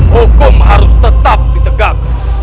hukum harus tetap ditegakkan